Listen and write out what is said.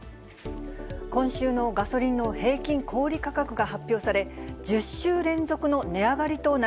今週のガソリンの平均小売り価格が発表され、１０週連続の値